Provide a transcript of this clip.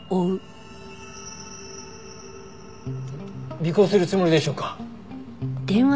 尾行するつもりでしょうか？